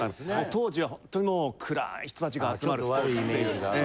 当時はほんとにもう暗い人たちが集まるスポーツっていうええ。